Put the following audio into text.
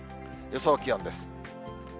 予想気温です。